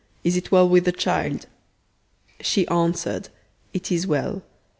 is it well with the child? She answered, It is well.